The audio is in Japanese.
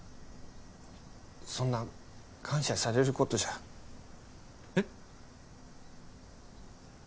そんな感謝されることじゃえっ？